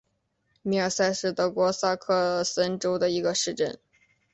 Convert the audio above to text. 米尔森是德国萨克森州的一个市镇。